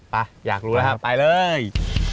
อยากรู้แล้วครับไปเลย